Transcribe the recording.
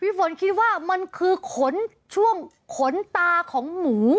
ฝนคิดว่ามันคือขนช่วงขนตาของหมู